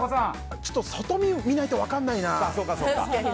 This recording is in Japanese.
ちょっと外見、見ないと分からないな。